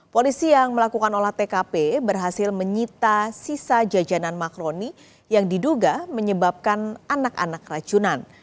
polisi yang melakukan olah tkp berhasil menyita sisa jajanan makroni yang diduga menyebabkan anak anak racunan